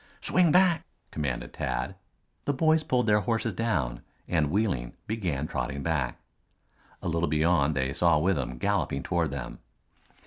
"Swing back!" commanded Tad. The boys pulled their horses down, and wheeling began trotting back. A little beyond they saw Withem galloping toward them.